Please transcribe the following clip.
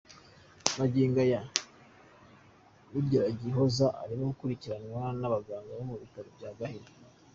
Magingo aya Ugiragihoza arimo gukurikiranwa n’ abaganga bo ku bitaro bya Gahini.